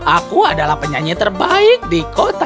aku adalah penyanyi terbaik di kota